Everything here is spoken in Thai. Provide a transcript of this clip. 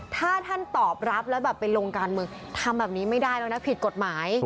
ถ้าท่านตอบรับแล้วแบบไปลงการเมืองทำแบบนี้ไม่ได้แล้วนะผิดกฎหมาย